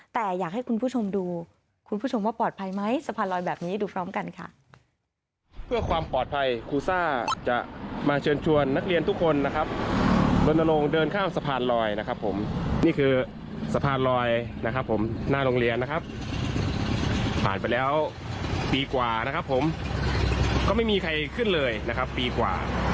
แต่อยากให้คุณผู้ชมดูคุณผู้ชมว่าปลอดภัยไหมสะพานลอยแบบนี้ดูพร้อมกันค่ะ